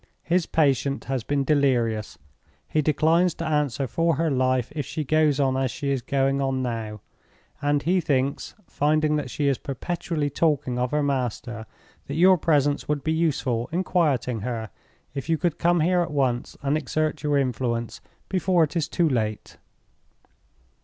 His patient has been delirious; he declines to answer for her life if she goes on as she is going on now; and he thinks—finding that she is perpetually talking of her master—that your presence would be useful in quieting her, if you could come here at once, and exert your influence before it is too late.